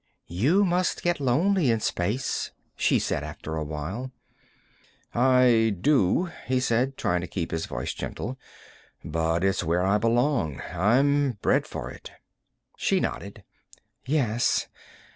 "You must get lonely in space," she said after a while. "I do," he said, trying to keep his voice gentle. "But it's where I belong. I'm bred for it." She nodded. "Yes.